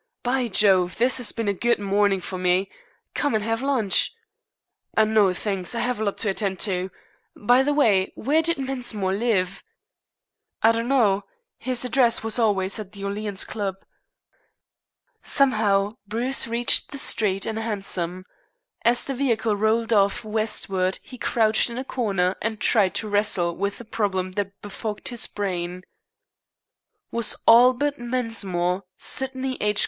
By Jove, this has been a good morning for me. Come and have lunch." "No, thanks. I have a lot to attend to. By the way, where did Mensmore live?" "I don't know. His address was always at the Orleans Club." Somehow, Bruce reached the street and a hansom. As the vehicle rolled off westward he crouched in a corner and tried to wrestle with the problem that befogged his brain. Was Albert Mensmore Sydney H.